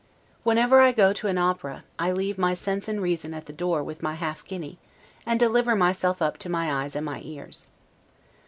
Whenever I go to an opera, I leave my sense and reason at the door with my half guinea, and deliver myself up to my eyes and my ears.